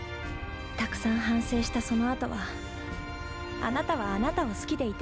たくさん反省したそのあとはあなたはあなたを好きでいてあげて。